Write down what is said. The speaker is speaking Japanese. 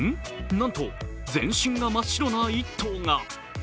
なんと全身が真っ白な１頭が。